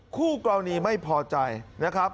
คู่กรณีไม่พอใจนะครับ